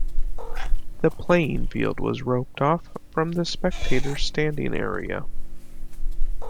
The playing field was roped off from the spectators' standing area.